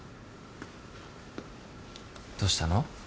どうしたの？